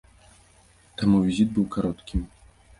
Таму візіт быў кароткім.